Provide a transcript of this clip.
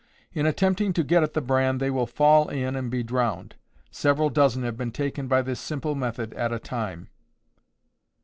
In attempting to get at the bran they will fall in and be drowned. Several dozen have been taken by this simple method at a time.